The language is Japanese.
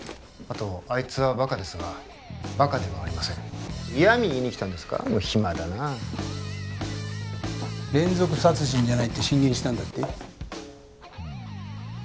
あとあいつはバカですがバカではありません嫌み言いに来たんですかもう暇だな連続殺人じゃないって進言したんだって？